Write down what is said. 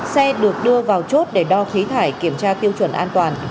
xe được đưa vào chốt để đo khí thải kiểm tra tiêu chuẩn an toàn